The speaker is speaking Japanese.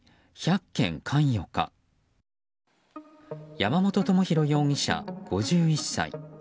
山本智洋容疑者、５１歳。